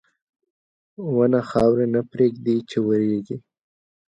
• ونه خاوره نه پرېږدي چې وریږي.